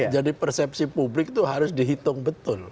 jadi persepsi publik itu harus dihitung betul